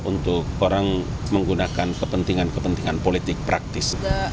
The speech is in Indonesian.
untuk orang menggunakan kepentingan kepentingan politik praktis